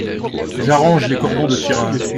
J’arrange les cordons de tirage.